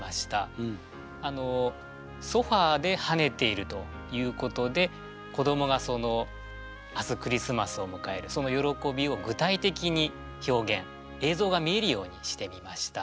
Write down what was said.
あのソファではねているということで子どもが明日クリスマスを迎えるその喜びを具体的に表現映像が見えるようにしてみました。